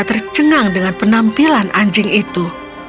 tercengang dengan penampilan anjing itu